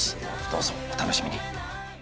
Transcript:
どうぞお楽しみに。